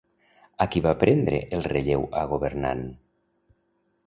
A qui va prendre el relleu a governant?